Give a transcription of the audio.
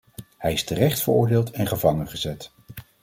Hij is terecht veroordeeld en gevangengezet.